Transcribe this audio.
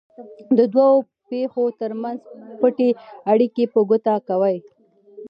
د دوو پېښو ترمنځ پټې اړیکې په ګوته کوي.